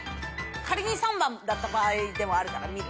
仮に３番だった場合でもあるから見る。